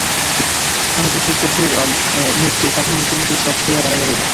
আজও সে কাঠের মূর্তির মতো স্তব্ধ হইয়া দাঁড়াইয়া রহিল।